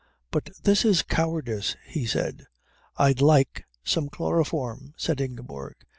"But this is cowardice," he said. "I'd like some chloroform," said Ingeborg.